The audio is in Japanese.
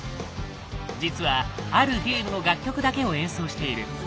実はあるゲームの楽曲だけを演奏している。